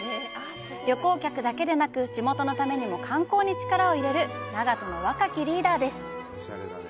旅行客だけでなく地元のためにも観光に力を入れる長門の若きリーダーです！